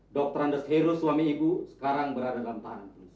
dokter andes herus suami ibu sekarang berada dalam tahanan polisi